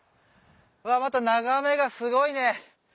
また眺めがすごいね。